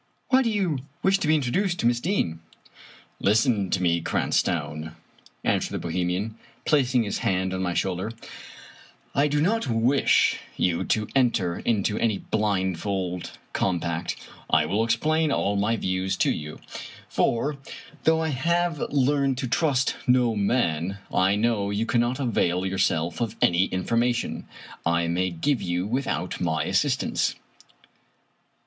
Why do you wish to be introduced to Miss Deane?" "Listen to me, Cranstoun," answered the Bohemian, 32 Fitzjames O'Brien placing his hand on my shoulder ;" I do not wish you to enter into any blindfold compact. I will explain all my views to you ; for, though I have learned to trust no man, I know you cannot avail yourself of any information I may give you without my assistance."